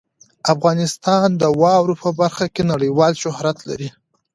افغانستان د واورو په برخه کې نړیوال شهرت لري.